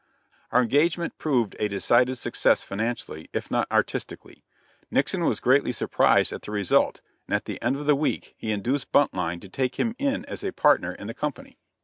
Our engagement proved a decided success financially, if not artistically. Nixon was greatly surprised at the result, and at the end of the week he induced Buntline to take him in as a partner in the company.